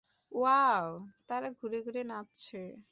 Wow, তারা ঘুরে ঘুরে নাচছে।